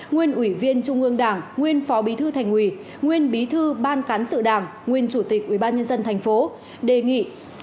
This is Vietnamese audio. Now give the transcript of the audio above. nguyên ủy viên trung ương đảng nguyên phó bí thư thành ủy nguyên bí thư ban cán sự đảng nguyên chủ tịch ủy ban nhân dân tp hcm đề nghị